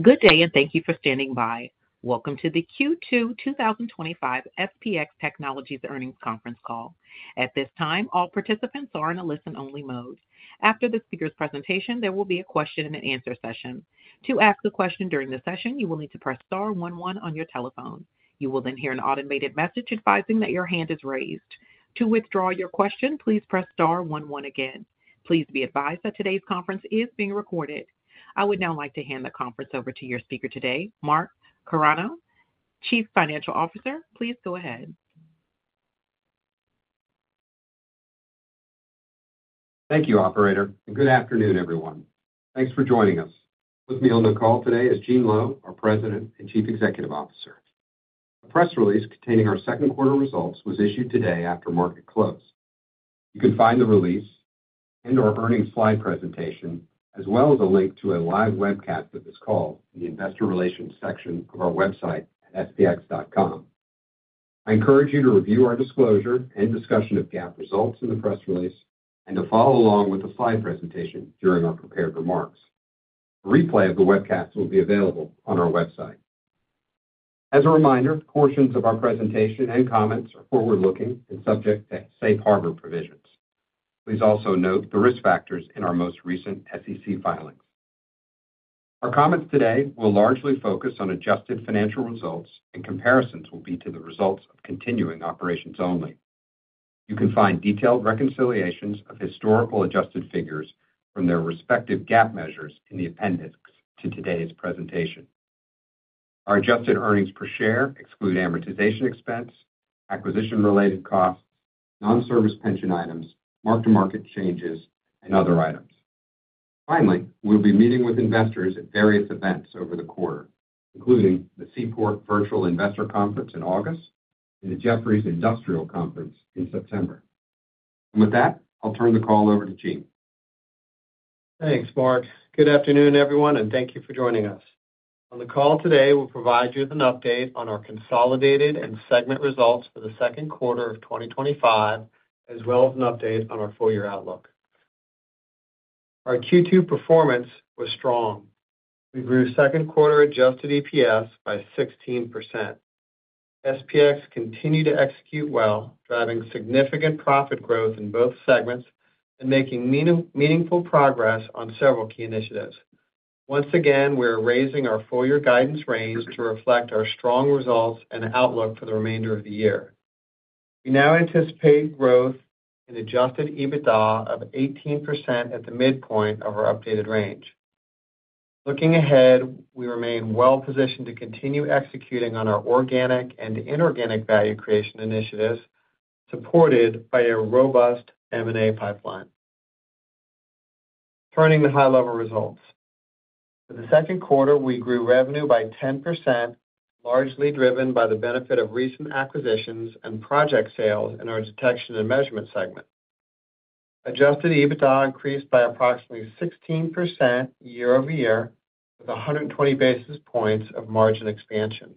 Good day and thank you for standing by. Welcome to the Q2 2025 SPX Technologies Earnings Conference Call. At this time, all participants are in a listen only mode. After the speaker's presentation, there will be a question and answer session. To ask a question during the session, you will need to press star one one on your telephone. You will then hear an automated message advising that your hand is raised. To withdraw your question, please press star one one again. Please be advised that today's conference is being recorded. I would now like to hand the conference over to your speaker today, Mark Carano, Chief Financial Officer. Please go ahead. Thank you, Operator, and good afternoon, everyone. Thanks for joining us. With me on the call today is Gene Lowe, our President and Chief Executive Officer. A press release containing our second quarter results was issued today after market close. You can find the release and our earnings slide presentation, as well as a link to a live webcast of this call, in the Investor Relations section of our website at spx.com. I encourage you to review our disclosure and discussion of GAAP results in the press release and to follow along with the slide presentation during our prepared remarks. A replay of the webcast will be available on our website. As a reminder, portions of our presentation and comments are forward-looking and subject to safe harbor provisions. Please also note the risk factors in our most recent SEC filings. Our comments today will largely focus on adjusted financial results, and comparisons will be to the results of continuing operations only. You can find detailed reconciliations of historical adjusted figures from their respective GAAP measures in the appendix to today's presentation. Our adjusted earnings per share exclude amortization expense, acquisition-related costs, non-service pension items, mark-to-market changes, and other items. Finally, we'll be meeting with investors at various events over the quarter, including the Seaport Virtual Investor Conference in August and the Jefferies Industrial Conference in September. With that, I'll turn the call over to Gene. Thanks, Mark. Good afternoon, everyone, and thank you for joining us. On the call today we'll provide you with an update on our consolidated and segment results for the second quarter of 2025, as well as an update. On our full year outlook. Our Q2 performance was strong. We grew second quarter adjusted EPS by 16%. SPX Technologies continued to execute well, driving significant profit growth in both segments and making meaningful progress on several key initiatives. Once again, we are raising our full year guidance range to reflect our strong results and outlook for the remainder of the year. We now anticipate growth in adjusted EBITDA of 18% at the midpoint of our updated range. Looking ahead, we remain well positioned to continue executing on our organic and inorganic value creation initiatives supported by a robust M&A pipeline. Turning to high level results for the second quarter, we grew revenue by 10%, largely driven by the benefit of recent acquisitions and project sales in our Detection and Measurement segment. Adjusted EBITDA increased by approximately 16% year-over-year with 120 basis points of margin expansion.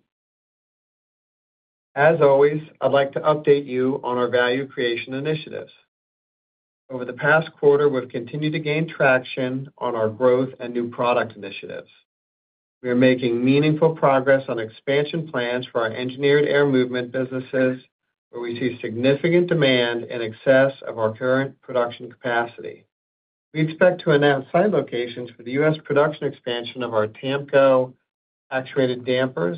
As always, I'd like to update you on our value creation initiatives. Over the past quarter, we've continued to gain traction on our growth and new product initiatives. We are making meaningful progress on expansion plans for our engineered air movement businesses where we see significant demand in excess of our current production capacity. We expect to announce site locations for the U.S. production expansion of our TAMCO actuated dampers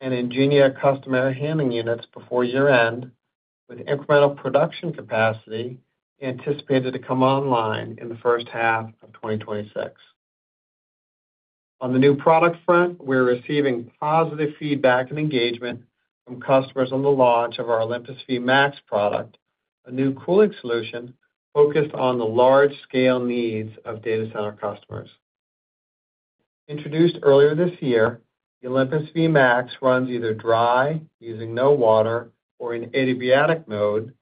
and Ingenia custom air handling units before year end, with incremental production capacity anticipated to come online in the first half of 2026. On the new product front, we're receiving positive feedback and engagement from customers on the launch of our Olympus Vmax product, a new cooling solution focused on the large scale needs of data center customers. Introduced earlier this year, Olympus Vmax runs either dry using no water or in adiabatic mode,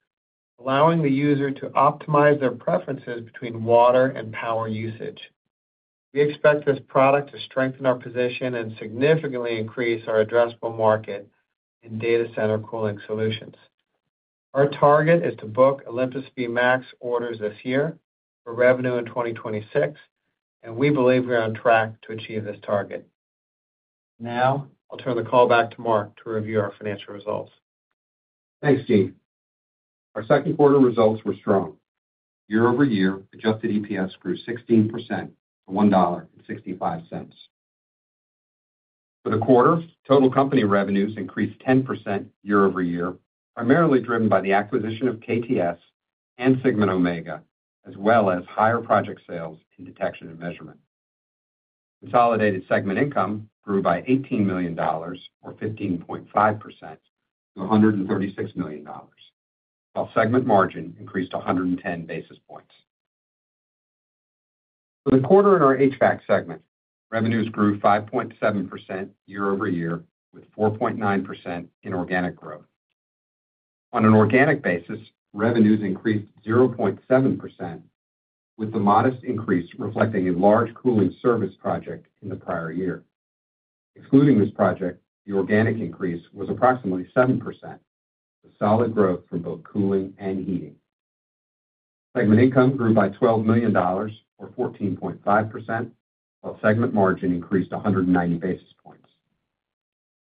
allowing the user to optimize their preferences between water and power usage. We expect this product to strengthen our position and significantly increase our addressable market in data center cooling solutions. Our target is to book Olympus Vmax orders this year for revenue in 2026 and we believe we're on track to achieve this target. Now, I'll turn the call back to Mark. To review our financial results. Thanks Gene. Our second quarter results were strong. Year-over-year, adjusted EPS grew 16% to $1.65 for the quarter. Total company revenues increased 10% year-over-year, primarily driven by the acquisition of KTS and Sigma & Omega as well as higher project sales in detection and measurement. Consolidated segment income grew by $18 million or 15.5% to $136 million, while segment margin increased 110 basis points for the quarter. In our HVAC segment, revenues grew 5.7% year-over-year with 4.9% in organic growth. On an organic basis, revenues increased 0.7%, with the modest increase reflecting a large cooling service project in the prior year. Excluding this project, the organic increase was approximately 7%, solid growth from both cooling and heating. Segment income grew by $12 million or 14.5%, while segment margin increased 190 basis points.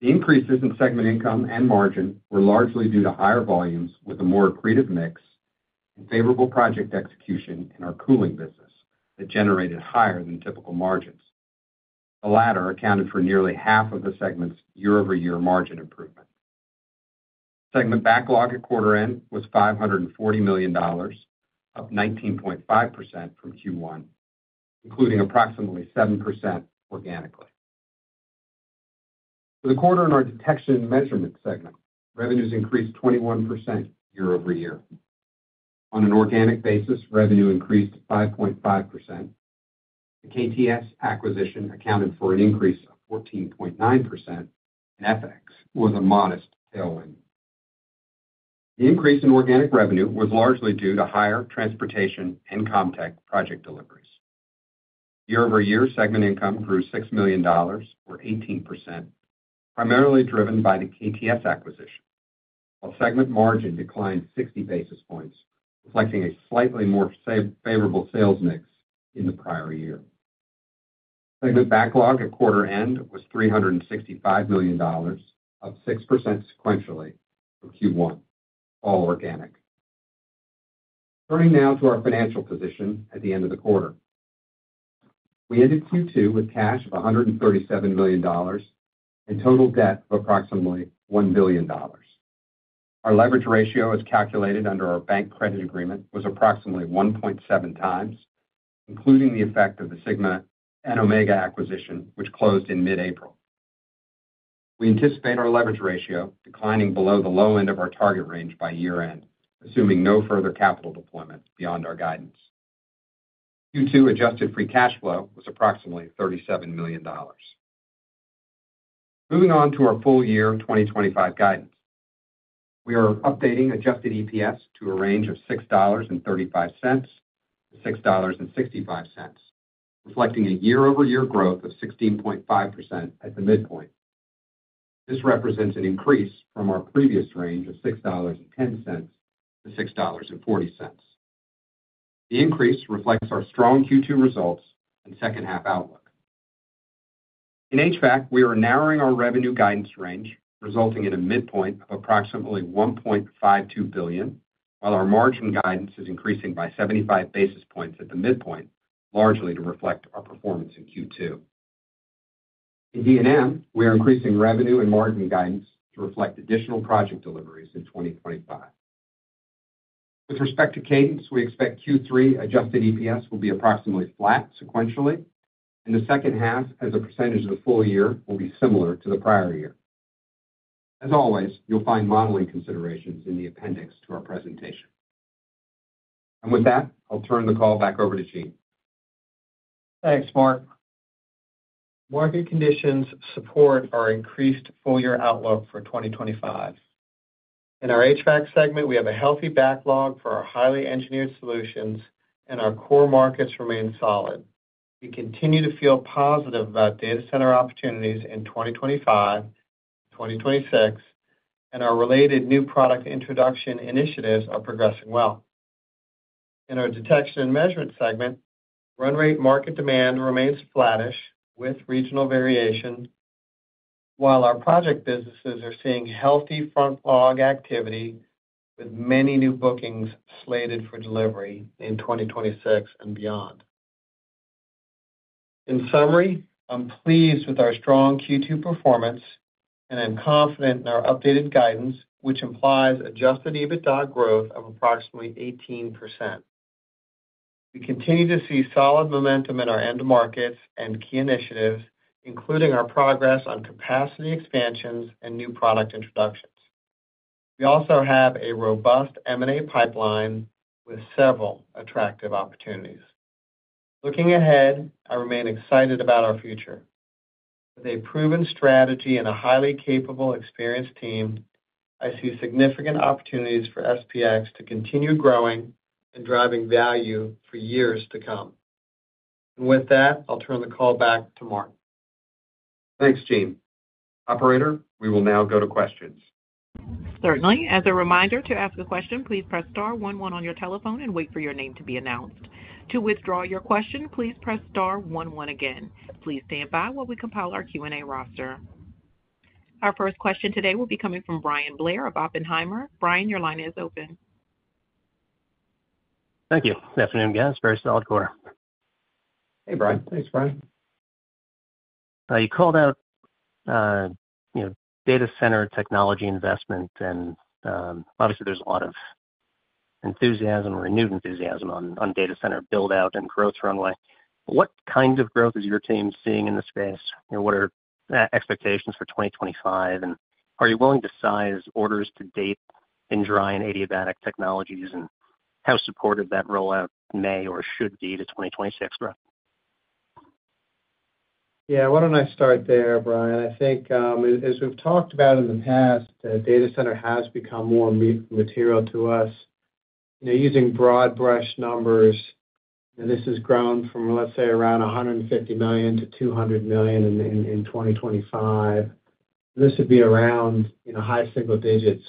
The increases in segment income and margin were largely due to higher volumes with a more accretive mix and favorable project execution in our cooling business that generated higher than typical margins. The latter accounted for nearly half of the segment's year-over-year margin improvement. Segment backlog at quarter end was $540 million, up 19.5% from Q1, including approximately 7% organically. For the quarter. In our Detection & Measurement segment, revenues increased 21% year-over-year. On an organic basis, revenue increased 5.5%. The KTS acquisition accounted for an increase of 14.9%, and FX was a modest tailwind. The increase in organic revenue was largely due to higher transportation and CommTech project deliveries year-over-year. Segment income grew $6 million, or 18%, primarily driven by the KTS acquisition, while segment margin declined 60 basis points, reflecting a slightly more favorable sales mix in the prior year. Segment backlog at quarter end was $365 million, up 6% sequentially for Q1, all organic. Turning now to our financial position at the end of the quarter, we ended Q2 with cash of $137 million and total debt of approximately $1 billion. Our leverage ratio, as calculated under our bank credit agreement, was approximately 1.7 times, including the effect of the Sigma & Omega acquisition, which closed in mid-April. We anticipate our leverage ratio declining below the low end of our target range by year end, assuming no further capital deployment. Beyond our guidance, Q2 adjusted free cash flow was approximately $37 million. Moving on to our full year 2025 guidance, we are updating adjusted EPS to a range of $6.35-$6.65, reflecting a year-over-year growth of 16.5% at the midpoint. This represents an increase from our previous range of $6.10-$6.40. The increase reflects our strong Q2 results and second half outlook. In HVAC, we are narrowing our revenue guidance range, resulting in a midpoint of approximately $1.52 billion, while our margin guidance is increasing by 75 basis points at the midpoint, largely to reflect our performance in Q2. In D&M, we are increasing revenue and margin guidance to reflect additional project deliveries in 2025. With respect to cadence, we expect Q3 adjusted EPS will be approximately flat sequentially, and the second half as a percentage of the full year will be similar to the prior year. As always, you'll find modeling considerations in the appendix to our presentation, and with that I'll turn the call back over to Gene. Thanks, Mark. Market conditions support our increased full year outlook for 2025. In our HVAC segment, we have a healthy backlog for our highly engineered solutions and our core markets remain solid. We continue to feel positive about data center opportunities in 2025, 2026, and our related new product introduction initiatives are progressing well. In our Detection and Measurement segment, run-rate market demand remains flattish with regional variation, while our project businesses are seeing healthy front log activity with many new bookings slated for delivery in 2026 and beyond. In summary, I'm pleased with our strong Q2 performance and I'm confident in our updated guidance, which implies adjusted EBITDA growth of approximately 18%. We continue to see solid momentum in our end markets and key initiatives, including our progress on capacity expansions and new product introductions. We also have a robust M&A pipeline with several attractive opportunities. Looking ahead, I remain excited about our future. With a proven strategy and a highly capable, experienced team, I see significant opportunities for SPX Technologies to continue growing and driving value for years to come. With that, I'll turn the call back to Mark. Thanks, Gene. Operator, we will now go to questions. Certainly. As a reminder to ask a question, please press star one one on your telephone and wait for your name to be announced. To withdraw your question, please press star one one again. Please stand by while we compile our Q&A roster. Our first question today will be coming from Bryan Blair of Oppenheimer. Bryan, your line is open. Thank you. Good afternoon, guys. Very solid quarter. Hey Brian. Thanks. Brian. You called out data center technology investment and obviously there's a lot of enthusiasm, renewed enthusiasm on data center build out and growth runway. What kind of growth is your team seeing in the space? What are expectations for 2025 and are you willing to size orders to date in dry and adiabatic technologies and how supportive that rollout may or should be to 2026? Brett. Yeah, why don't I start there? Brian, I think as we've talked about in the past, data center has become more material to us. Using broad brush numbers, this has grown from let's say around $150 million-$200 million in 2025. This would be around high single-digits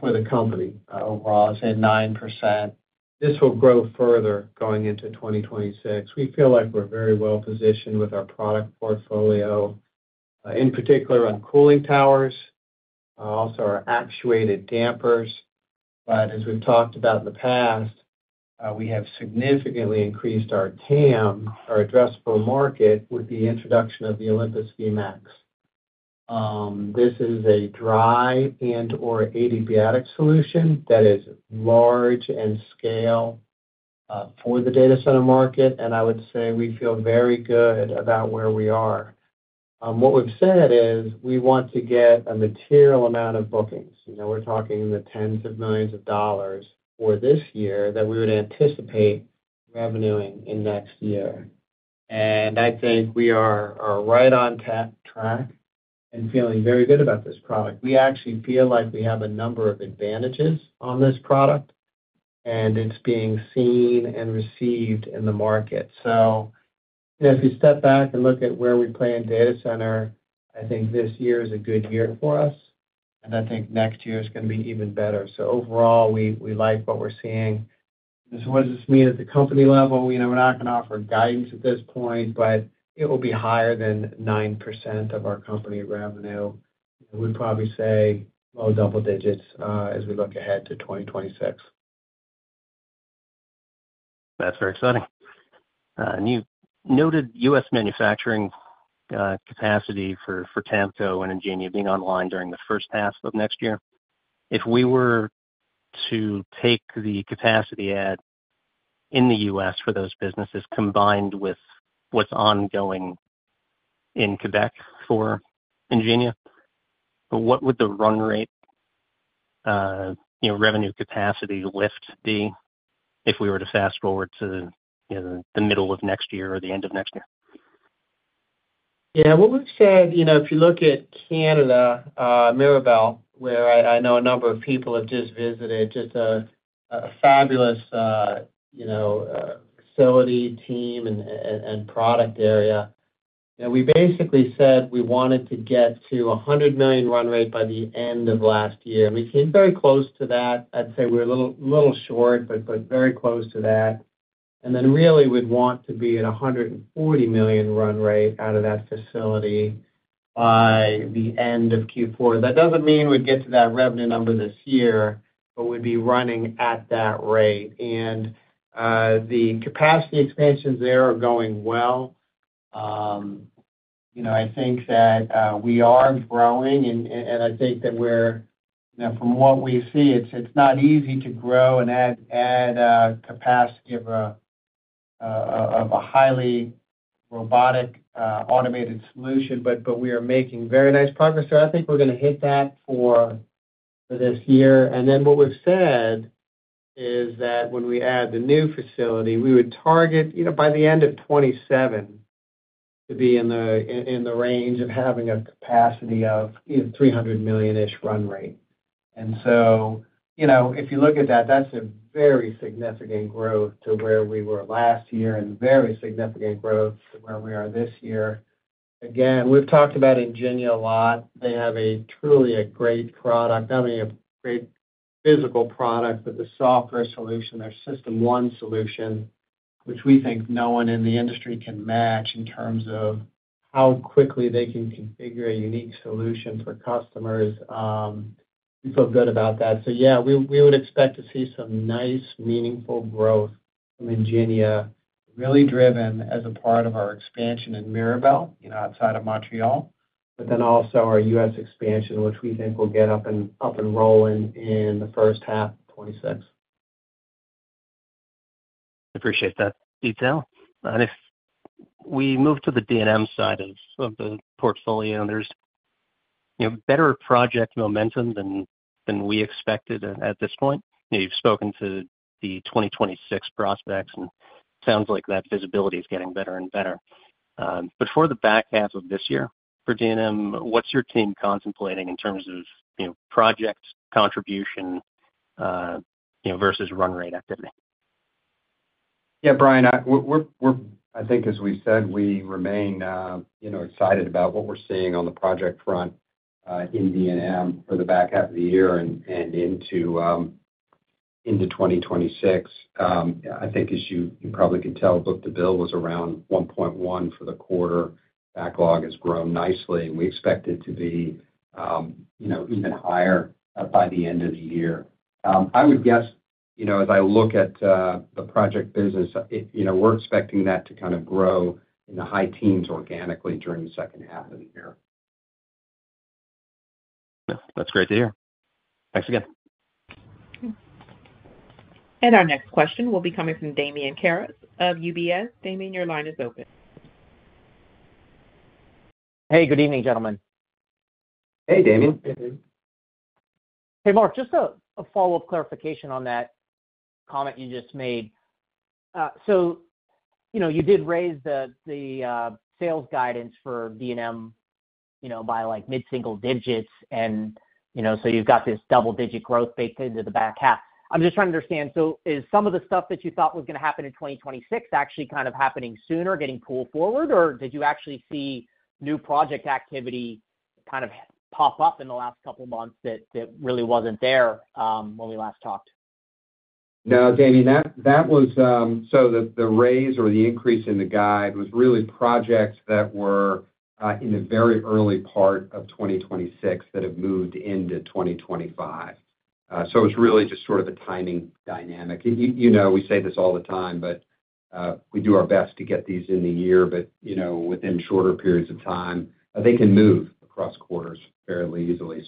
for the company overall, say 9%. This will grow further going into 2026. We feel like we're very well positioned with our product portfolio, in particular on cooling towers, also our actuated dampers. As we've talked about in the past, we have significantly increased our TAM, our addressable market, with the introduction of the Olympus Vmax. This is a dry and or adiabatic solution that is large in scale for the data center market and I would say we feel very good about where we are. What we've said is we want to get a material amount of bookings. We're talking the tens of millions of dollars for this year that we would anticipate revenueing in next year. I think we are right on track and feeling very good about this product. We actually feel like we have a number of advantages on this product and it's being seen and received in the market. If you step back and look at where we play in data center, I think this year is a good year for us and I think next year is going to be even better. Overall we like what we're seeing. What does this mean at the company level? We're not going to offer guidance at this point, but it will be higher than 9% of our company revenue. We'd probably say low double digits as we look ahead to 2026. That's very exciting. You noted U.S. manufacturing capacity for TAMCO and Ingenia being online during the first half of next year. If we were to take the capacity. Add in the U.S. for those businesses, combined with what's ongoing in Quebec for Ingenia, what would the run-rate revenue capacity lift be if we were to fast forward to the middle of next year or the end of next year? Yeah, what we've said, if you look at Canada, Mirabel, where I know a number of people have just visited, just a fabulous facility, team, and product area, we basically said we wanted to get to $100 million run rate by the end of last year. We came very close to that. I'd say we're a little short, but very close to that. We really want to be at $140 million run rate out of that facility by the end of Q4. That doesn't mean we'd get to that revenue number this year, but we'd be running at that rate. The capacity expansions there are going well. I think that we are growing and I think that we're, from what we see, it's not easy to grow and add capacity of a highly robotic, automated solution, but we are making very nice progress. I think we're going to hit that for this year. What we've said is that when we add the new facility, we would target, by the end of 2027, to be in the range of having a capacity of $300 million-ish run rate. If you look at that, that's a very significant growth to where we were last year and very significant growth to where we are. This again, we've talked about Ingenia a lot. They have truly a great product, not only a great physical product, but the software solution, their system, one solution which we think no one in the industry can match in terms of how quickly they can configure a unique solution for customers. We feel good about that. We would expect to see some nice meaningful growth from Ingenia, really driven as a part of our expansion in Mirabel, outside of Montreal, but then also our U.S. expansion which we think will get up and up and rolling in the first half 2026. Appreciate that detail, and if we move to the D&M side of the portfolio, there's better project momentum than we expected at this point. You've spoken to the 2026 prospects, and it sounds like that visibility is getting better and better. For the back half of this year for D&M, what's your team contemplating in terms of project contribution versus run-rate activity? Yeah, Brian, I think as we said, we remain excited about what we're seeing on the project front in D&M for the back half of the year and into 2026. I think as you probably can tell, book to bill was around 1.1 for the quarter. Backlog has grown nicely. We expect it to be even higher by the end of the year. I would guess, as I look at the project business, we're expecting that to kind of grow in the high teens organically during the second half of the year. That's great to hear, thanks again. Our next question will be coming from Damian Karas of UBS Investment Bank. Damian, your line is open. Hey, good evening, gentlemen. Hey Damian. Hey Mark. Just a follow up clarification on that comment you just made. You did raise the sales guidance for D&M, you know, by like mid single-digits, and you've got this double digit growth baked into the back half. I'm just trying to understand. Is some of the stuff that. You thought was going to happen in 2026 actually kind of happening sooner, getting pulled forward, or did you actually see new project activity kind of pop up in the last couple months that really wasn't there when we last talked? No, Damian, that was. The raise or the increase in the guide was really projects that were in the very early part of 2026 that have moved into 2025. It's really just sort of a timing dynamic. We say this all the time but we do our best to get these in the year. Within shorter periods of time, they can move across quarters fairly easily.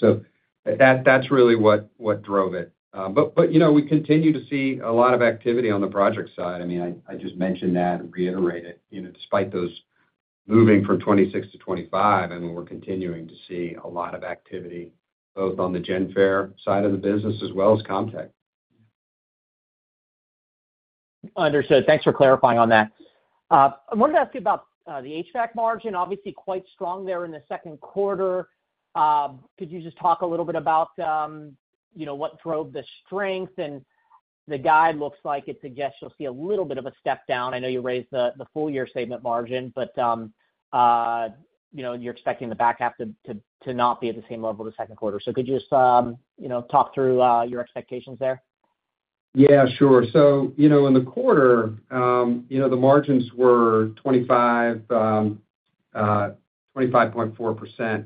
That's really what drove it. We continue to see a lot of activity on the project side. I just mentioned that, reiterate it, despite those moving from 2026 to 2025. We're continuing to see a lot of activity both on the Genfare side of the business as well as CommTech. Understood, thanks for clarifying on that. I wanted to ask you about the HVAC margin. Obviously quite strong there in the second quarter. Could you just talk a little bit about what drove the strength? The guide looks like it suggests you'll see a little bit of a step down. I know you raised the full year segment margin, but you're expecting the back half to not be at the same. Level the second quarter. Could you just talk through your expectations there? Yeah, sure. In the quarter the margins were 25.4%.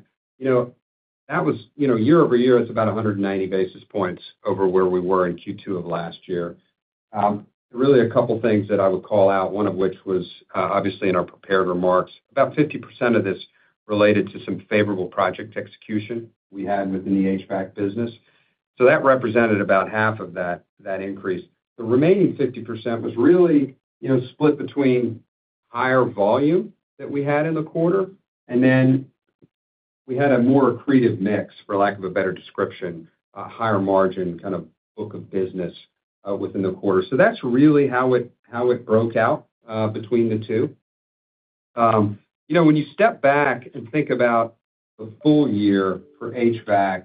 That was year-over-year. It's about 190 basis points over where we were in Q2 of last year. Really, a couple things that I would call out, one of which was obviously in our prepared remarks, about 50% of this related to some favorable project execution we had within the HVAC business. That represented about half of that increase. The remaining 50% was split between higher volume that we had in the quarter and then we had a more accretive mix, for lack of a better description, a higher margin kind of book of business within the quarter. That's really how it broke out between the two. When you step back and think about the full year for HVAC,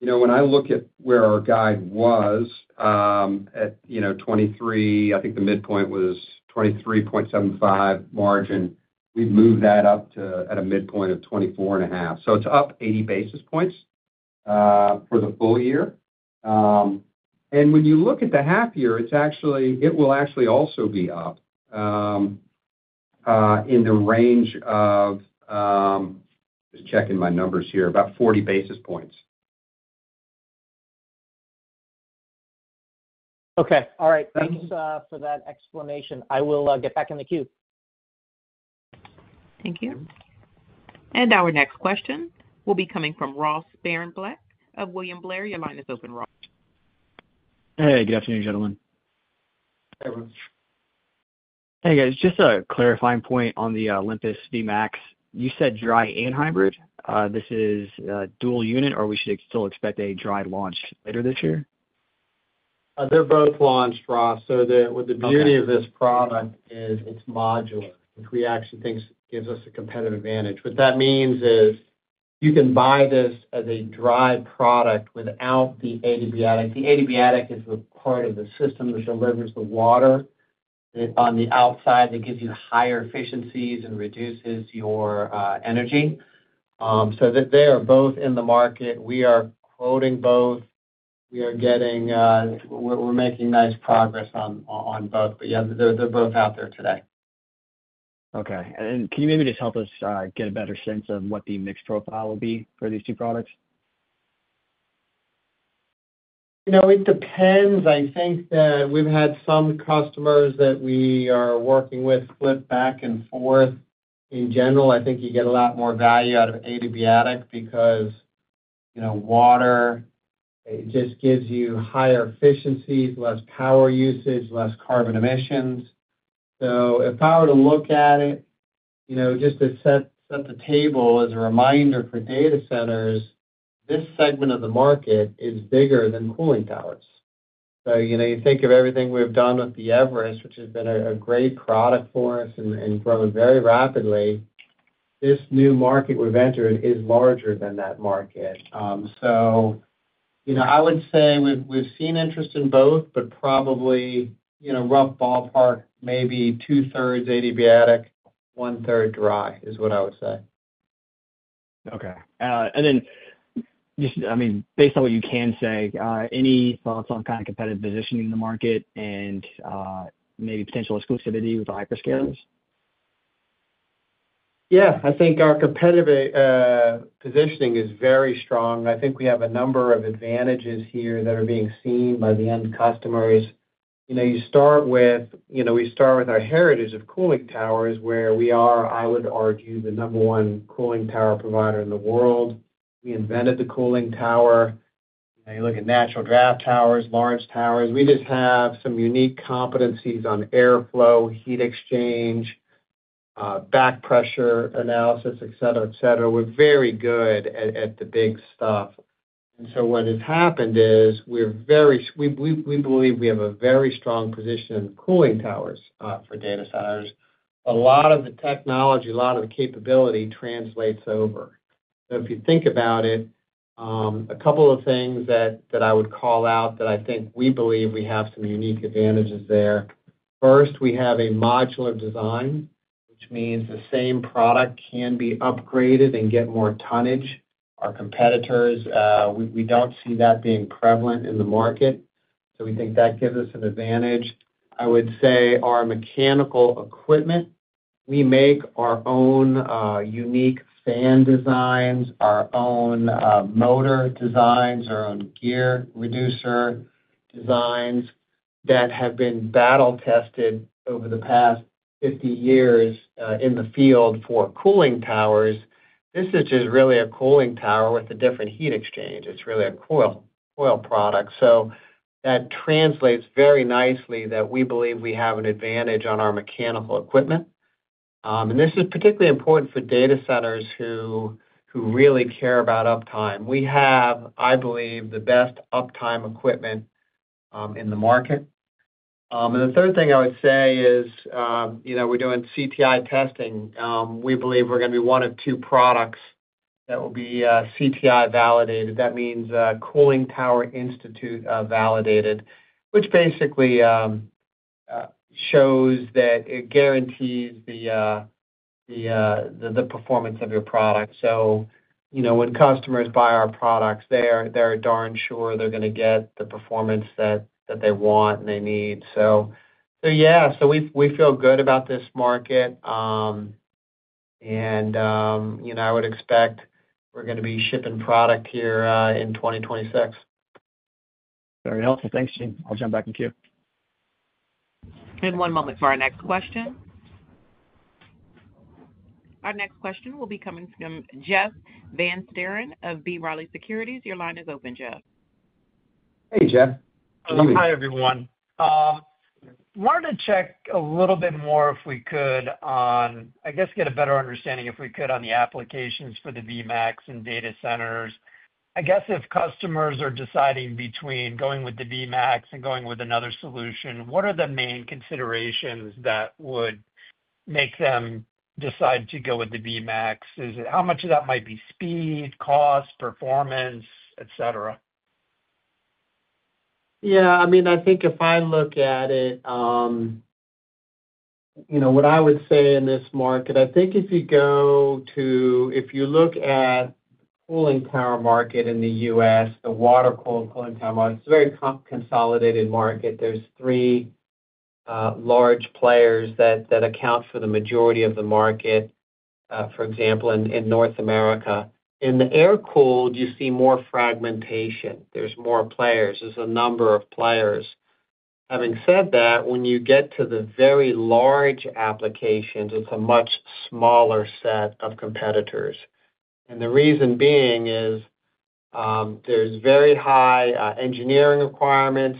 when I look at where our guide was at, 23, I think the midpoint was 23.75% margin. We've moved that up to a midpoint of 24.5%. It's up 80 basis points for the full year. When you look at the half. Year, it will actually also be up in the range of about 40 basis points. Okay. All right, thanks for that explanation. I will get back in the queue. Thank you. Our next question will be coming from Ross Sparenblek of William Blair. Your line is open. Hey, good afternoon, gentlemen. Hey everyone. Just a clarifying point on the Olympus Vmax. You said dry and hybrid. This is dual unit or we should still expect a dry launch later this year? They're both launched, Ross. The beauty of this product is it's modular, which we actually think gives us a competitive advantage. What that means is you can buy this as a dry product without the adiabatic. The adiabatic is the part of the system that delivers the water on the outside that gives you higher efficiencies and reduces your energy. They are both in the market. We are quoting both. We are making nice progress on both. Yeah, they're both out there today. Okay. Can you maybe just help us get a better sense of what the mix profile will be for these two products? It depends. I think that we've had some customers that we are working with flip back and forth. In general, I think you get a lot more value out of adiabatic because, you know, water, it just gives you higher efficiencies, less power usage, less carbon emissions. If I were to look at it, just to set the table as a reminder for data centers, this segment of the market is bigger than cooling towers. You think of everything we've done with the Everest, which has been a great product for us and growing very rapidly. This new market we've entered is larger than that market. I would say we've seen interest in both, but probably, rough ballpark, maybe 2/3 adiabatic, 1/3 dry is what I would say. Okay. Based on what you can say, any thoughts on kind of competitive positioning in the market and maybe potential exclusivity with the hyperscalers? I think our competitive positioning is very strong. I think we have a number of advantages here that are being seen by the end customers. You start with our heritage of cooling towers, where we are, I would argue, the number one cooling tower provider in the world. We invented the cooling tower. You look at natural draft towers, large towers. We just have some unique competencies on airflow, heat exchange, back pressure analysis, et cetera. We're very good at the big stuff. What has happened is we believe we have a very strong position in cooling towers for data centers. A lot of the technology, a lot of the capability translates over. If you think about it, a couple of things that I would call out that I think we believe we have some unique advantages there. First, we have a modular design, which means the same product can be upgraded and get more tonnage. Our competitors, we don't see that being prevalent in the market. We think that gives us an advantage. I would say our mechanical equipment, we make our own unique fan designs, our own motor designs, our own gear reducer designs that have been battle tested over the past 50 years. In the field for cooling towers, this is really a cooling tower with a different heat exchange. It's really a coil product. That translates very nicely that we believe we have an advantage on our mechanical equipment. This is particularly important for data centers who really care about uptime. We have, I believe, the best uptime equipment in the market. The third thing I would say is, we're doing CTI testing. We believe we're going to be one of two products that will be CTI validated. That means Cooling Tower Institute validated, which basically shows that it guarantees the performance of your product. When customers buy our products, they're darn sure they're going to get the performance that they want and they need. We feel good about this market and I would expect we're going to be shipping product here in 2026. Very helpful. Thanks Gene. I'll jump back in queue. We have one moment for our next question. Our next question will be coming from Jeff Van Sinderen of B. Riley Securities. Your line is open. Jeff. Hey, Jeff. Hi. Everyone wanted to check a little bit more if we could on, I guess get a better understanding if we could on the applications for the Olympus Vmax and data centers. I guess if customers are deciding between going with the Olympus Vmax and going with another solution, what are the main considerations that would make them decide to go with the Olympus Vmax? Is it how much of that might be speed, cost, performance, etc. Yeah, I mean, I think if I look at it, you know what I would say in this market. I think if you go to, if you look at the cooling tower market in the U.S., the water cooled cooling tower market, it's a very consolidated market. There's three large players that account for the majority of the market. For example, in North America, in the air cooled, you see more fragmentation, there's more players, there's a number of players. Having said that, when you get to the very large applications, it's a much smaller set of competitors. The reason being is there's very high engineering requirements.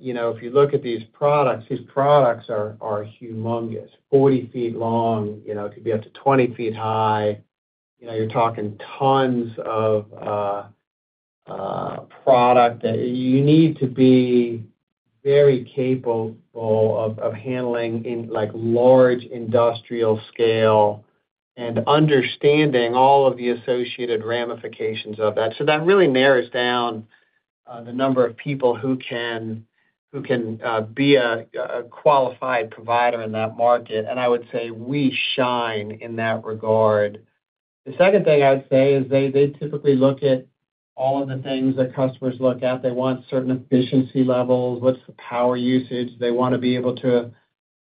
You know, if you look at these products, these products are humongous, 40 ft long. You know, it could be up to 20 ft high. You know, you're talking tons of product that you need to be very capable of handling in like large industrial scale and understanding all of the associated ramifications of that. That really narrows down the number of people who can be a qualified provider in that market. I would say we shine in that regard. The second thing I would say is they typically look at all of the things that customers look at. They want certain efficiency levels, what's the power usage. They want to be able to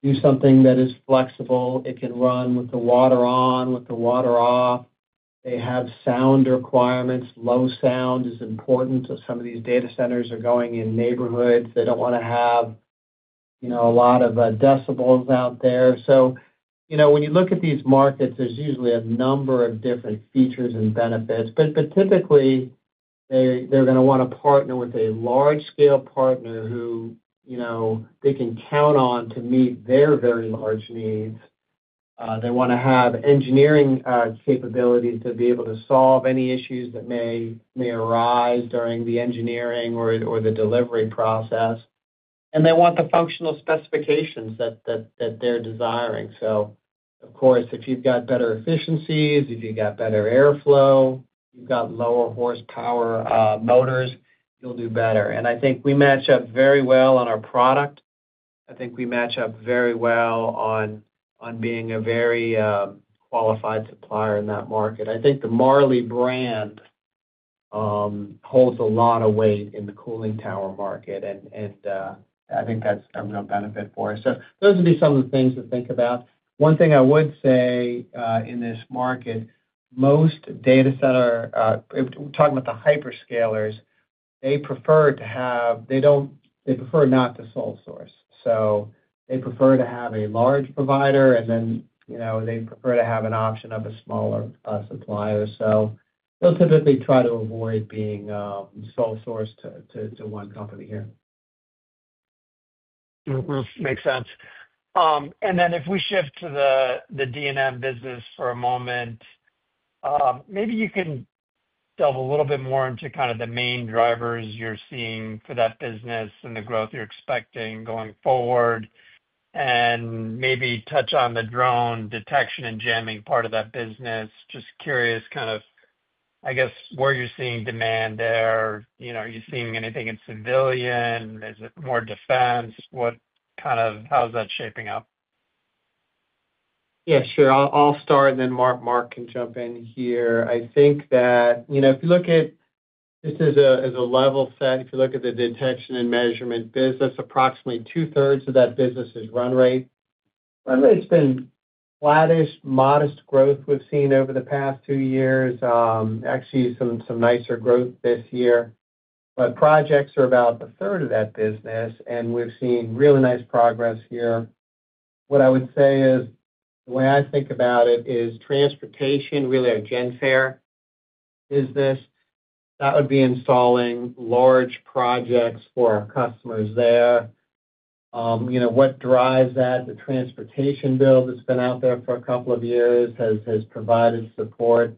do something that is flexible, it can run with the water on, with the water off. They have sound requirements. Low sound is important. Some of these data centers are going in neighborhoods. They don't want to have, you know, a lot of decibels out there. When you look at these markets, there's usually a number of different features and benefits. Typically they're going to want to partner with a large scale partner who, you know, they can count on to meet their very large needs. They want to have engineering capabilities to be able to solve any issues that may arise during the engineering or the delivery process. They want the functional specifications that they're desiring. Of course, if you've got better efficiencies, if you've got better airflow, you've got lower horsepower motors, you'll do better. I think we match up very well on our product. I think we match up very well on being a very qualified supplier in that market. I think the Marley brand holds a lot of weight in the cooling tower market, and I think that's a real benefit for us. Those would be some of the things to think about. One thing I would say in this market, most data center, talking about the hyperscalers, they prefer to have, they don't. They prefer not to sole source. They prefer to have a large provider. Then, you know, they prefer to have an option of a smaller supplier. They'll typically try to avoid being sole source to one company here. Makes sense. If we shift to the D&M business for a moment, maybe you can delve a little bit more into kind of the main drivers you're seeing for that business and the growth you're expecting going forward, and maybe touch on the drone detection and jamming part of that business. Just curious, kind of, I guess, where you're seeing demand there. Are you seeing anything in civilian? Is it more defense? What kind of? How's that shaping up? Yeah, sure, I'll start and then Mark can jump in here. I think that, you know, if you look at, this is a level set. If you look at the detection and measurement business, approximately two thirds of that business is run rate. Run rate's been flattish. Modest growth we've seen over the past two years. Actually, some nicer growth this year, but projects are about a third of that business and we've seen really nice progress here. What I would say is the way I think about it is transportation, really our Genfare business, that would be installing large projects for our customers there. You know what drives that? The transportation build has been out there for a couple of years, has provided support,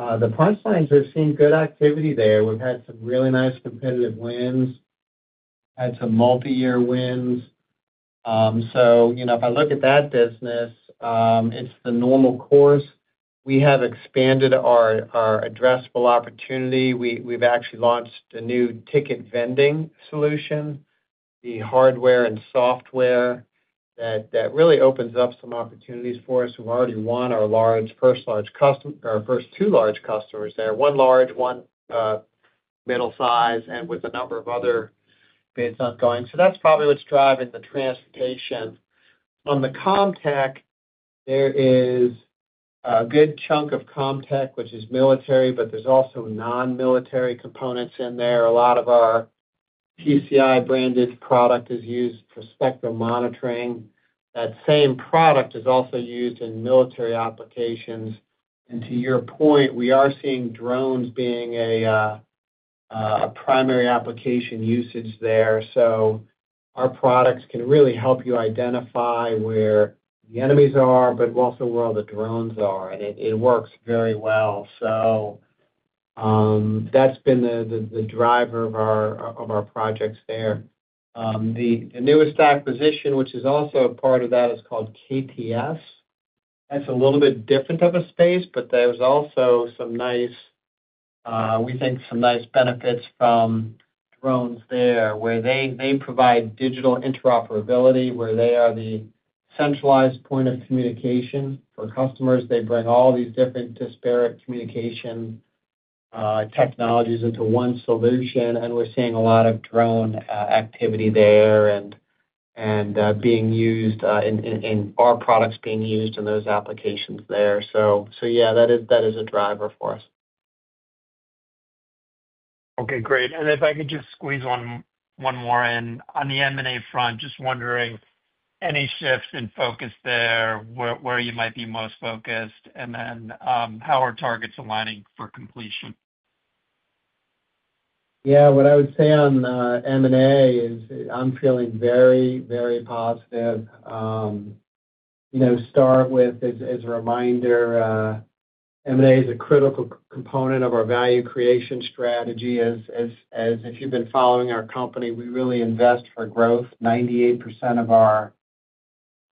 but the punchline is we've seen good activity there. We've had some really nice competitive wins, had some multi-year wins. If I look at that business, it's the normal course. We have expanded our addressable opportunity. We've actually launched a new ticket vending solution, the hardware and software that really opens up some opportunities for us. We've already won our first two large customers there, one large, one middle size, with a number of other bids ongoing. That's probably what's driving the transportation. On the CommTech, there is a good chunk of CommTech which is military, but there's also non-military components in there. A lot of our PCI branded product is used for spectrum monitoring. That same product is also used in military applications. To your point, we are seeing drones being a primary application usage there. Our products can really help you identify where the enemies are, but also where all the drones are and it works very well. That's been the driver of our projects there. The newest acquisition, which is also a part of that, is called KTS. That's a little bit different of a space, but we think there are some nice benefits from drones there, where they provide digital interoperability, where they are the centralized point of communication for customers. They bring all these different disparate communication technologies into one solution. We're seeing a lot of drone activity there and our products being used in those applications there. That is a driver for us. Okay, great. If I could just squeeze one more in on the M&A front, just wondering, any shifts in focus there where you might be most focused, and then how are targets aligning for completion? Yeah, what I would say on M&A is I'm feeling very, very positive. As a reminder, M&A is a critical component of our value creation strategy. If you've been following our company, we really invest for growth. 98% of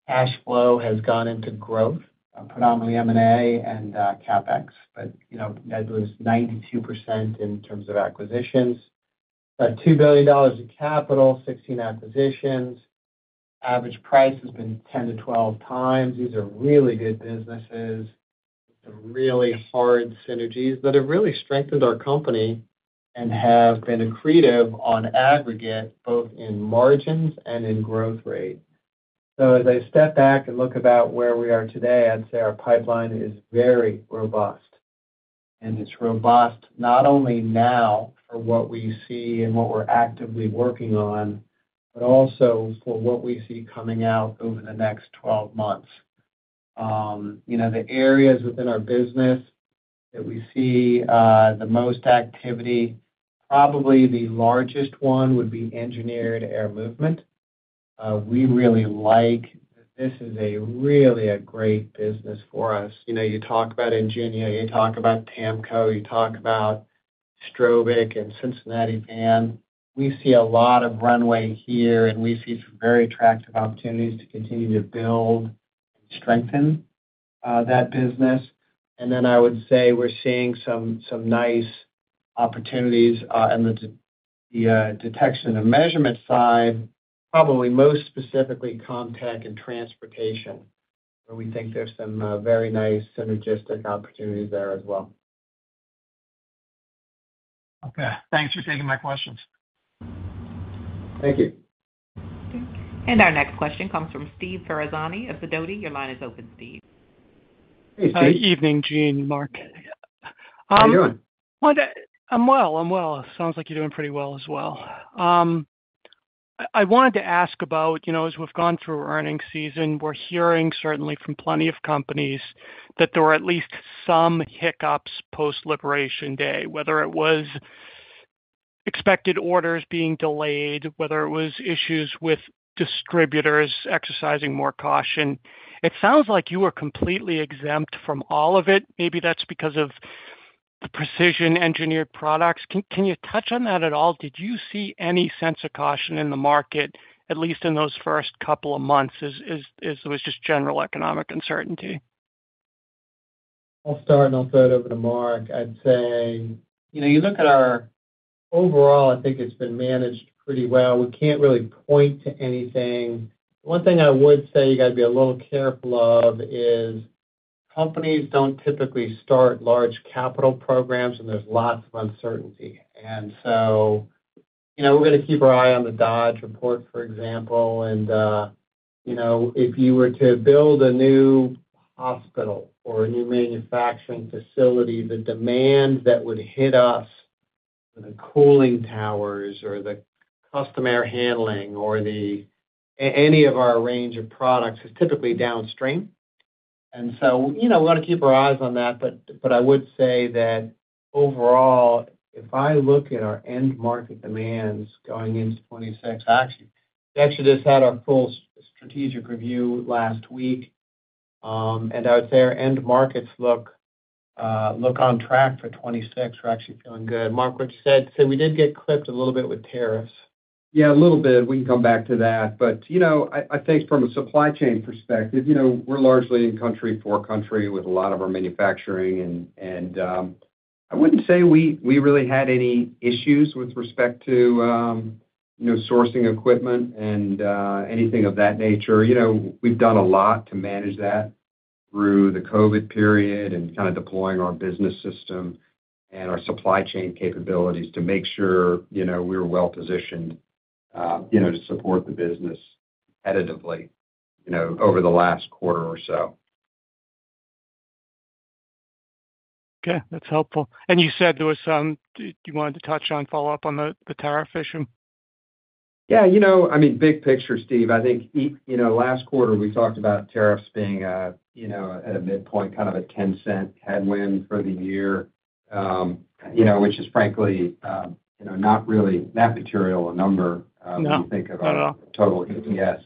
our cash flow has gone into growth, predominantly M&A and CapEx. 92% in terms of acquisitions. $2 billion in capital, 16 acquisitions. Average price has been 10 to 12 times. These are really good businesses, really hard synergies that have really strengthened our company and have been accretive on aggregate, both in margins and in growth rate. As I step back and look at where we are today, I'd say our pipeline is very robust. It's robust not only now for what we see and what we're actively working on, but also for what we see coming out over the next 12 months. The areas within our business that we see the most activity, probably the largest one, would be engineered air movement. We really like this. This is really a great business for us. You talk about Ingenia, you talk about TAMCO, you talk about Strobic and Cincinnati Fan. We see a lot of runway here and we see some very attractive opportunities to continue to build and strengthen that business. I would say we're seeing some nice opportunities in the detection and measurement side, probably most specifically CommTech and Transportation. We think there's some very nice synergistic opportunities there as well. Okay, thanks for taking my questions. Thank you. Our next question comes from Steve Ferazani of Sidoti. Your line is open. Steve. Good evening, Gene. Mark. How are you doing? I'm well, I'm well. Sounds like you're doing pretty well as well. I wanted to ask about, you know, as we've gone through earnings season, we're hearing certainly from plenty of companies that there were at least some hiccups post Liberation Day. Whether it was expected orders being delayed, whether it was issues with distributors exercising more caution. It sounds like you were completely exempt from all of it. Maybe that's because of the precision engineered products. Can you touch on that at all? Did you see any sense of caution in the market, at least in those first couple of months as there was just general economic uncertainty? I'll start and I'll throw it over to Mark. I'd say, you know, you look at our overall, I think it's been managed pretty well. We can't really point to anything. One thing I would say you got to be a little careful of is companies don't typically start large capital programs and there's lots of uncertainty. We're going to keep our eye on the Dodge report, for example, and, you know, if you were to build a new hospital or a new manufacturing facility, the demand that would hit us, the cooling towers or the custom air handling or any of our range of products, is typically downstream. We want to keep our eyes on that. I would say that overall if I look at our end market demands going into 2026, actually Exodus had our full strategic review last week and I would say our end markets look on track for 2026. We're actually feeling good, Mark, what you said. We did get clipped a little bit with tariffs. Yeah, a little bit. We can come back to that. From a supply chain perspective, we're largely in country for country with a lot of our manufacturing, and I wouldn't say we really had any issues with respect to sourcing equipment or anything of that nature. We've done a lot to manage that through the COVID period and deploying our business system and our supply chain capabilities to make sure we were well positioned to support the business competitively over the last quarter or so. Okay, that's helpful. You said there was some you wanted to touch on, follow up on the tariff issue. Yeah, you know, I mean, big picture, Steve. I think, you know, last quarter we talked about tariffs being, you know, at a midpoint, kind of a $0.10 headwind for the year, you know, which is frankly, you know, not really that material a number when you think about total EPS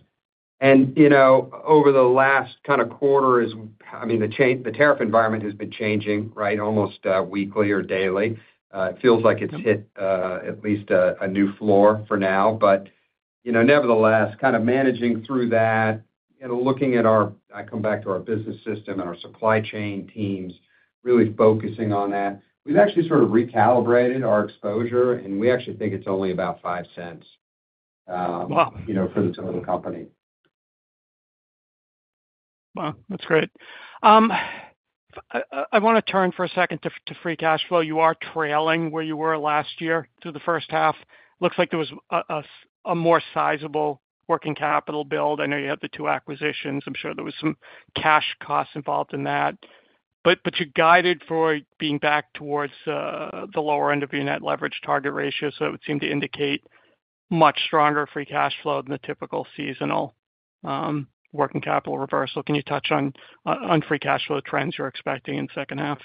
and, you know, over the last kind of quarter, I mean, the change, the tariff environment has been changing. Right. Almost weekly or daily it feels like it's hit at least a new floor for now. Nevertheless, kind of managing through that and looking at our, I come back to our business system and our supply chain teams really focusing on that. We've actually sort of recalibrated our exposure and we actually think it's only about $0.05, you know, for the total company. Wow, that's great. I want to turn for a second to free cash flow. You are trailing where you were last year through the first half. Looks like there was a more sizable working capital build. I know you had the two acquisitions. I'm sure there was some cash costs involved in that. You guided for being back towards the lower end of your net leverage target ratio. It would seem to indicate much stronger free cash flow than the typical seasonal working capital reversal. Can you touch on free cash flow trends you're expecting in second half?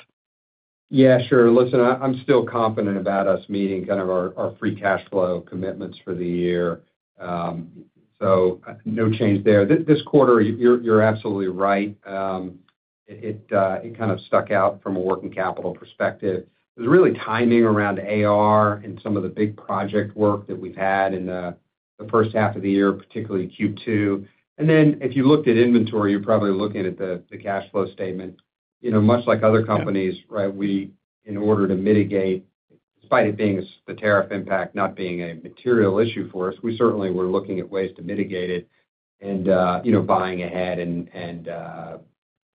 Yeah, sure. Listen, I'm still confident about us meeting kind of our free cash flow commitments for the year. No change there this quarter. You're absolutely right, it kind of stuck out. From a working capital perspective, there's really timing around AR and some of the big project work that we've had in the first half of. The year, particularly Q2. If you looked at inventory, you're probably looking at the cash flow statement. Much like other companies, we, in order to mitigate, despite it being the tariff impact not being a material issue for us, we certainly were looking at ways to mitigate it and buying ahead and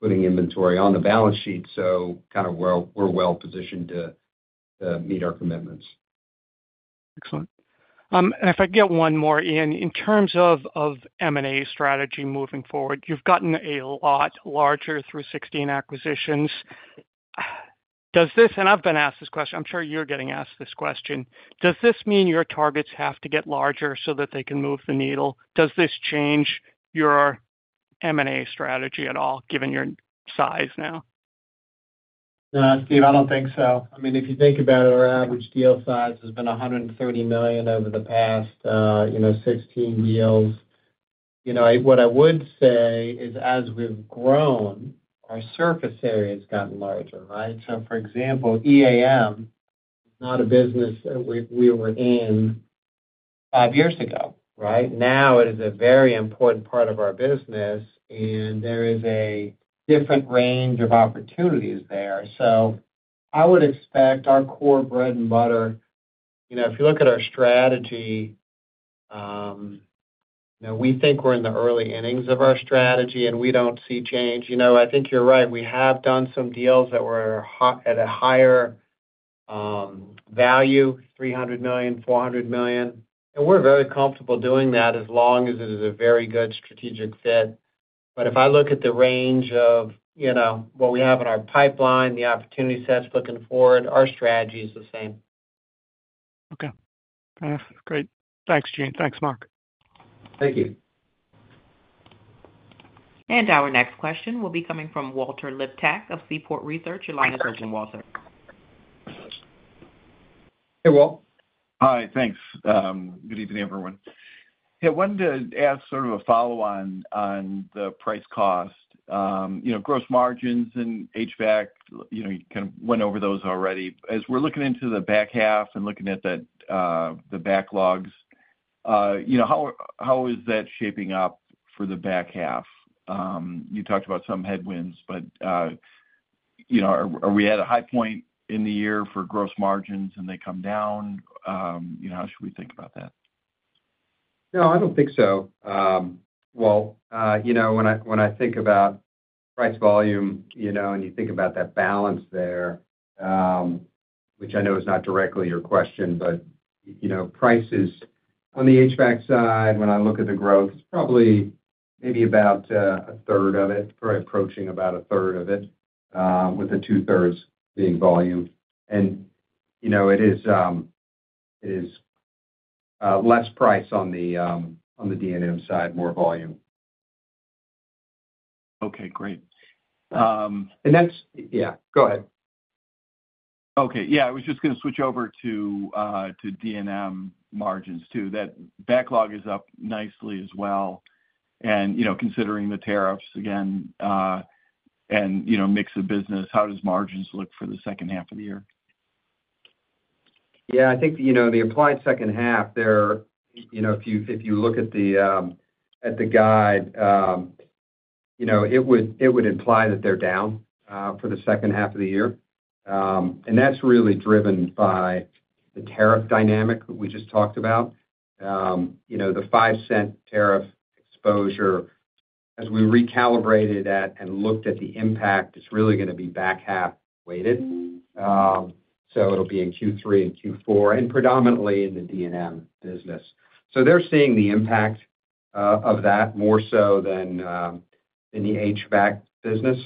putting inventory on the balance sheet. We're well positioned to meet our commitments. Excellent. If I get one more. Ian, in terms of M&A strategy moving forward, you've gotten a lot larger through 16 acquisitions. Does this. I've been asked this question. I'm sure you're getting asked this question. Does this mean your targets have to get larger so that they can move the needle? Does this change your M&A strategy at all, given your size now, Steve? I don't think so. I mean, if you think about it, our average deal size has been $130 million over the past, you know, 16 deals. What I would say is as we've grown, our surface area has gotten larger. For example, EAM is not a business we were in five years ago. Right now, it is a very important part of our business, and there is a different range of opportunities there. I would expect our core bread and butter. If you look at our strategy now, we think we're in the early innings of our strategy and we don't see change. I think you're right. We have done some deals that were at a higher value, $300 million, $400 million, and we're very comfortable doing that as long as it is a very good strategic fit. If I look at the range of what we have in our pipeline, the opportunity sets looking forward, our strategy is the same. Okay, great. Thanks, Gene. Thanks, Mark. Thank you. Our next question will be coming from Walter Liptak of Seaport Research. Your line is open, Walter. Hey, Walt. Hi. Thanks. Good evening, everyone. I wanted to ask sort of a follow on. On the price cost, you know, gross margins and HVAC. You kind of went over those already. As we're looking into the back half and looking at that, the backlogs, you know, how is that shaping up for the back half? You talked about some headwinds, you know, are we at a high point in the year for gross margins? And they come down, you know, how. Should we think about that? No, I don't think so, Walt. You know, when I think about price, volume, and you think about that balance there, which I know is not directly your question. Prices on the HVAC side, when I look at the growth, it's probably maybe about 1/3 of it, probably approaching about 1/3 of it with the 2/3 being volume. It is less price on the D&M side, more volume. Okay, great. That's. Go ahead. Okay. Yeah, I was just going to switch over to D&M margins too. That backlog is up nicely as well. You know, considering the tariffs again and the mix of business, how do margins look for the second half of the year? Yeah, I think the implied second half there, if you look at the guide, it would imply that they're down for the second half of the year. That's really driven by the tariff dynamic we just talked about, the $0.05 tariff exposure. As we recalibrated that and looked at the impact, it's really going to be back half weighted. It'll be in Q3 and Q4 and predominantly in the D&M business. They're seeing the impact of that more so than in the HVAC business.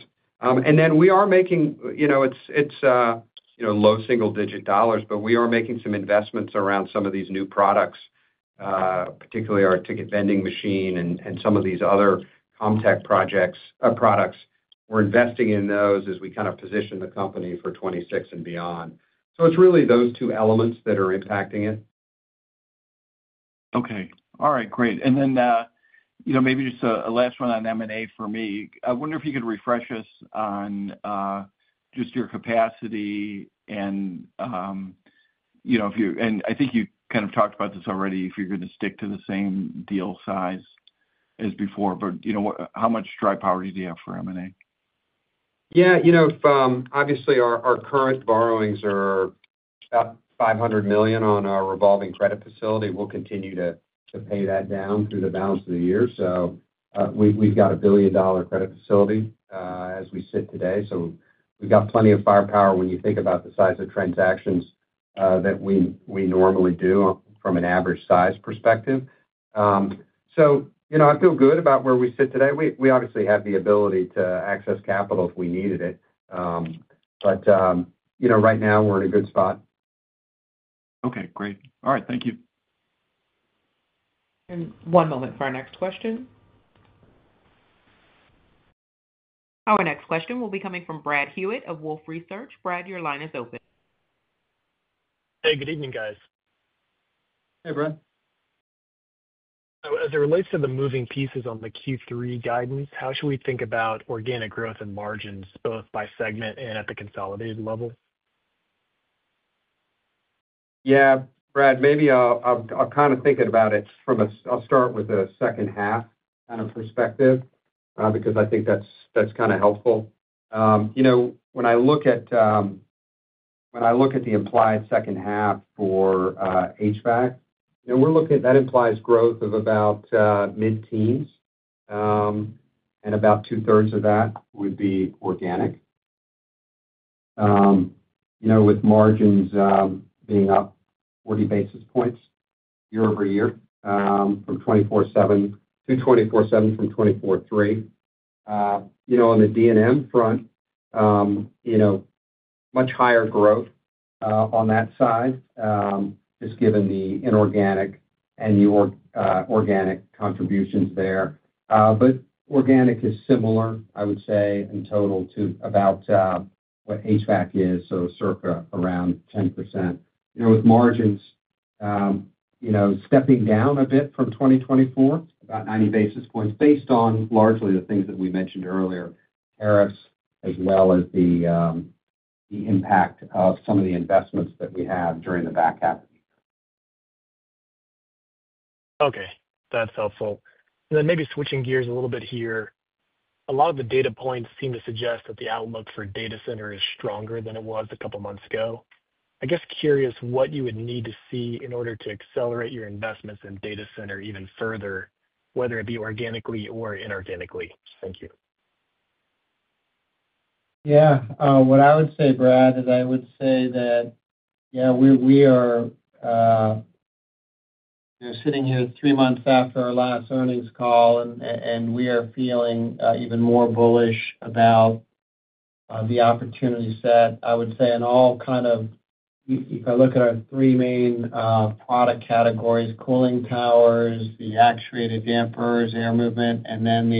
We are making, you know, low single-digit dollars, but we are making some investments around some of these new products, particularly our ticket vending machine and some of these other CommTech products. We're investing in those as we kind of position the company for 2026 and beyond. It's really those two elements that are impacting it. Okay, all right, great. Maybe just a. Last one on M&A for me. I wonder if you could refresh us. On just your capacity. And. I think you kind of talked about this already. If you're going to stick to the. Same deal size as before. How much dry powder do you have for M&A? Yeah, obviously our current borrowings are $500 million on our revolving credit facility. We'll continue to pay that down through the balance of the year. We've got a $1 billion credit facility as we sit today, so we've got plenty of firepower when you think about the size of transactions that we normally do from an average size perspective. I feel good about where we sit today. We obviously have the ability to access capital if we needed it, but right now we're in a good spot. Okay, great. All right, thank you. One moment for our next question. Our next question will be coming from Brad Hewitt of Wolfe Research. Brad, your line is open. Hey, good evening, guys. Hey, Brad. As it relates to the moving pieces on the Q3 guidance, how should we think about organic growth and margins both by segment and at the consolidated level? Yeah, Brad, maybe I'll kind of think about it from a, I'll start with the second half kind of perspective because I think that's, that's kind of helpful. You know, when I look at, when I look at the implied second half for HVAC, we're looking at, that implies growth of about mid teens and about 2/3 of that would be organic. You know, with margins being up 40 basis points year-over-year from 24.7% to 24.7%, from 24.3%. You know, on the D&M front, you know, much higher growth on that side just given the inorganic and new organic contributions there. Organic is similar, I would say in total to about what HVAC is, so circa around 10%, you know, with margins, you know, stepping down a bit from 2024, about 90 basis points based on largely the things that we mentioned earlier, tariffs as well as the impact of some of the investments that we have during the back half of the year. Okay, that's helpful. Switching gears a little bit here, a lot of the data points seem to suggest that the outlook for data center is stronger than it was a couple months ago. I guess curious what you would need to see in order to accelerate your investments in data center even further, whether it be organically or inorganically. Thank you. What I would say, Brad, is I would say that, yeah, we are. Sitting. Here three months after our last earnings call and we are feeling even more bullish about the opportunity set. I would say in all kind of. If I look at our three main product categories, cooling towers, the actuated dampers, air movement, and then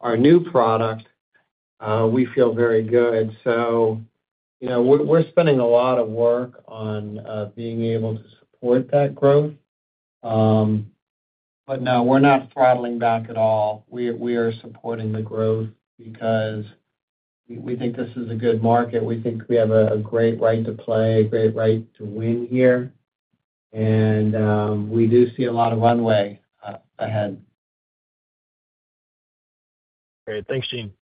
our new product, we feel very good. We are spending a lot of work on being able to support that growth. No, we're not throttling back at all. We are supporting the growth because we think this is a good market. We think we have a great right to play, a great right to win here and we do see a lot of runway ahead. Great, thanks Gene.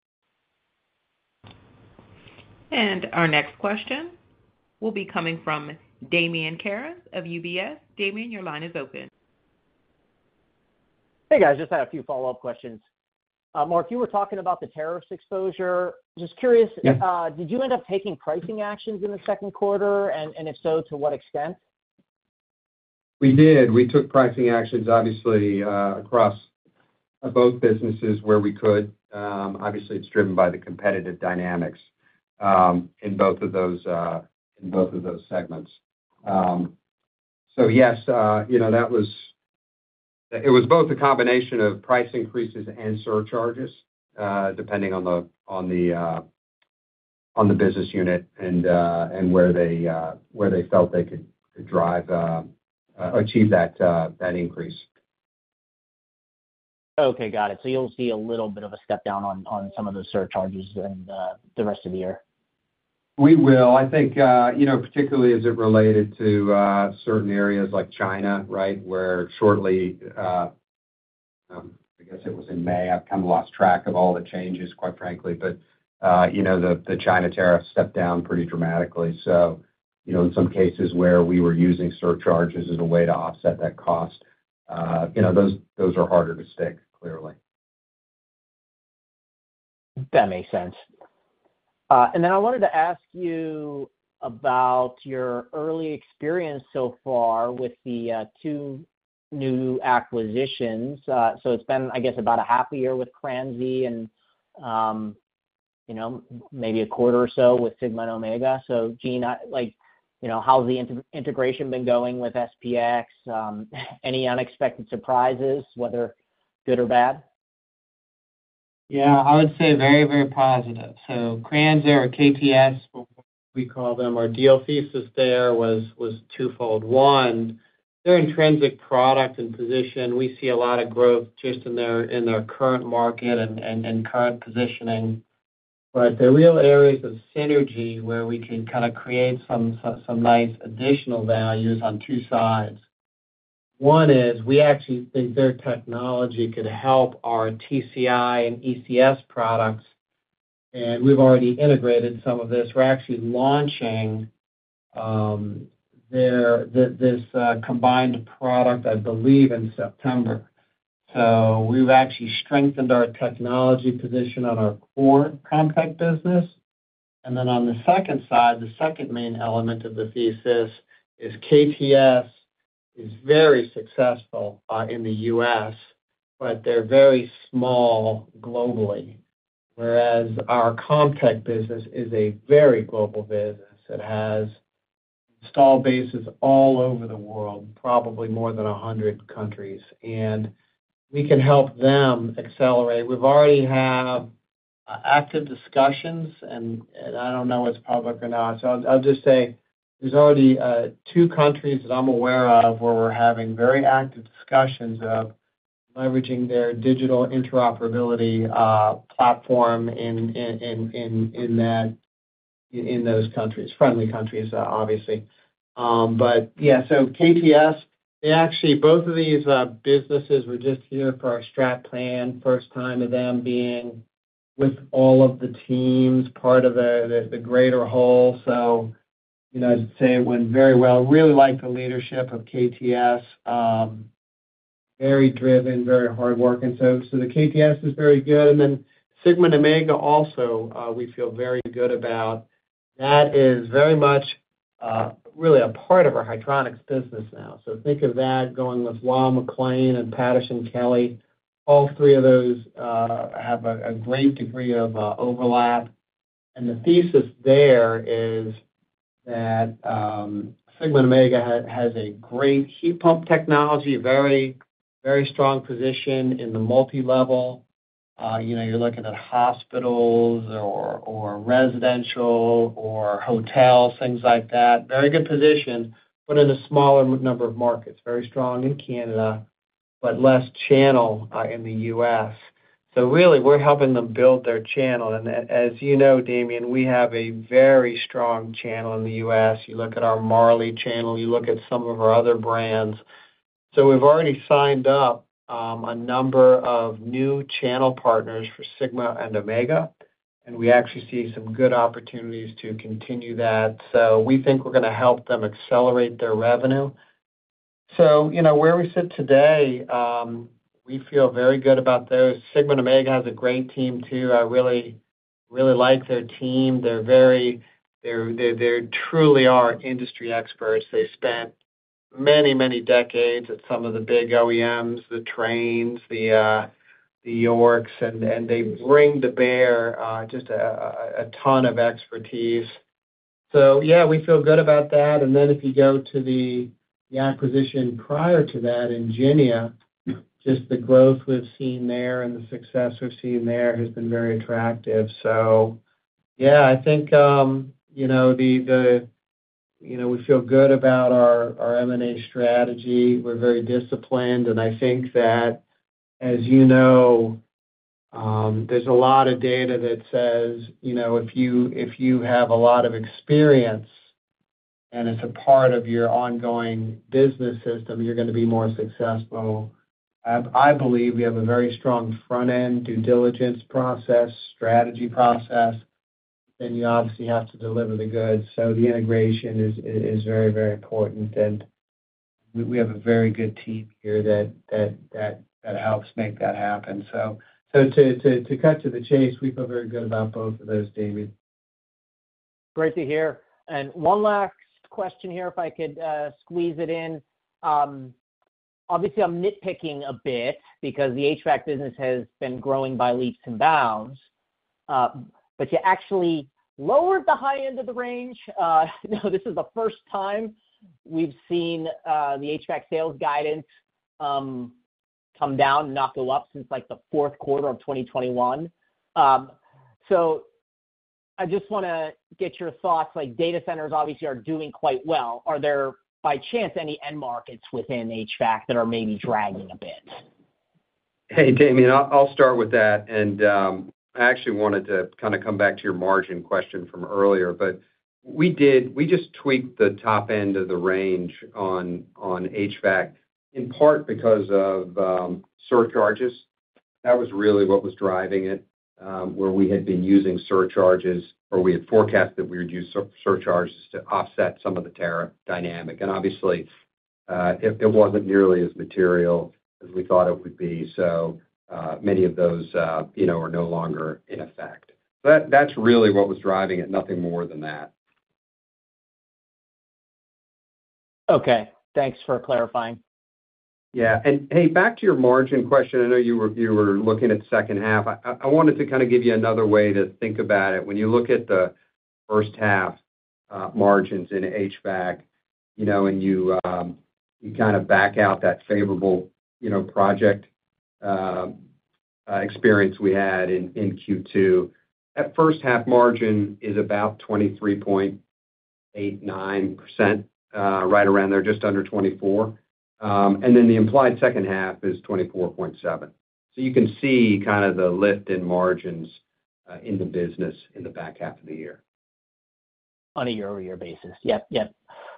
Our next question will be coming from Damian Karas of UBS. Damian, your line is open. Hey guys, just had a few follow up questions. Mark, you were talking about the tariffs exposure. Just curious, did you end up taking pricing actions in the second quarter? If so, to what extent? We did. We took pricing actions across both businesses where we could. It's driven by the competitive dynamics in both of those segments. Yes, that was both a combination of price increases and surcharges depending on the business unit and where they felt they could achieve that increase. Okay, got it. You'll see a little bit of. A step down on some of the surcharges and the rest of the year. I think, particularly as it related to certain areas like China, where shortly, I guess it was in May, I've kind of lost track of all the changes, quite frankly. The China tariffs stepped down pretty dramatically. In some cases where we were using surcharges as a way to offset that cost, those are harder to stick, clearly. That makes sense. I wanted to ask you about your early experience so far with the two new acquisitions. It's been, I guess, about half a year with Kranze and, you know, maybe a quarter or so with Sigma & Omega. Gene, like, you know, how's the integration been going with SPX? Any unexpected surprises, whether good or bad? Yeah, I would say very, very positive. So Kranze or KTS, we call them. Our deal thesis there was twofold. One, their intrinsic product and position. We see a lot of growth just in their current market and current positioning, but the real areas of synergy where we can kind of create some nice additional values on two sides. One is we actually think their technology could help our TCI and ECS products. We've already integrated some of this. We're actually launching this combined product, I believe in September. We've actually strengthened our technology position on our core compact business. The second main element of the thesis is KTS is very successful in the U.S. but they're very small globally, whereas our CommTech business is a very global business. It has installed bases all over the world, probably more than 100 countries, and we can help them accelerate. We already have active discussions and I don't know what's public or not, so I'll just say there's already two countries that I'm aware of where we're having very active discussions of leveraging their digital interoperability platform in those countries. Friendly countries obviously, but yeah. KTS, both of these businesses were just here for our strat plan, first time of them being with all of the teams, part of the greater whole. I would say it went very well. Really like the leadership of KTS, very driven, very hard working. KTS is very good. Sigma & Omega also, we feel very good about. That is very much, really a part of our hydronics business now. Think of that going with Lyle McLean and Patterson-Kelly. All three of those have a great degree of overlap. The thesis there is that Sigma & Omega has a great heat pump technology. Very, very strong position in the multi level. You know, you're looking at hospitals or residential or hotels, things like that. Very good position but in a smaller number of markets. Very strong in Canada but less channel in the U.S. We're helping them build their channel. As you know, Damian, we have a very strong channel in the U.S. You look at our Marley channel, you look at some of our other brands. We've already signed up a number of new channel partners for Sigma & Omega and we actually see some good opportunities to continue that. We think we're going to help them accelerate their revenue. Where we sit today, we feel very good about those. Sigma & Omega has a great team too. I really, really like their team. They're very, they're truly our industry experts. They spent many, many decades at some of the big OEMs, the Tranes, the Yorks, and they bring to bear just a ton of expertise. We feel good about that. If you go to the acquisition prior to that, Ingenia, just the growth we've seen there and the success we've seen there has been very attractive. I think, you know, we feel good about our M&A strategy. We're very disciplined and I think that, as you know, there's a lot of data that says, you know, if you have a lot of experience and it's a part of your ongoing business system, you're going to be more successful. I believe we have a very strong front end, due diligence process, strategy, process, then you obviously have to deliver the goods. The integration is very, very important and we have a very good team here that helps make that happen. To cut to the chase, we feel very good about both of those. Damian. Great to hear. One last question here, if I could squeeze it in. Obviously I'm nitpicking a bit because the HVAC business has been growing by leaps and bounds, but you actually lowered the high end of the range. This is the first time we've seen the HVAC sales guidance come down, not go up since the fourth quarter of 2021. I just want to get your thoughts. Data centers obviously are doing quite well. Are there by chance any end markets within HVAC that are maybe dragging a bit? Hey, Damian, I'll start with that. I actually wanted to kind of come back to your margin question from earlier. We just tweaked the top end of the range on HVAC in part because of surcharges. That was really what was driving it. Where we had been using surcharges or we had forecast that we would use surcharges to offset some of the tariff dynamic. Obviously it wasn't nearly as material as we thought it would be. Many of those are no longer in effect. That's really what was driving it. Nothing more than that. Okay, thanks for clarifying. Yeah. Back to your margin question. I know you were looking at second half. I wanted to kind of give you another way to think about it. When you look at the first half margins in HVAC and you kind of back out that favorable project experience we had in Q2, that first half margin is about 23.8%-23.9%, right around there, just under 24%. The implied second half is 24.7%. You can see kind of the lift in margins in the business in the back half of the year. A year-over-year basis. Yep, yep,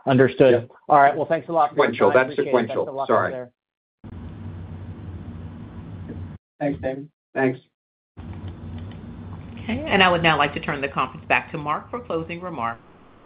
understood. All right, thanks a lot for Sequential. That's sequential. Sorry. Thanks, David. Thanks. Okay. I would now like to turn the conference back to Mark for closing remarks.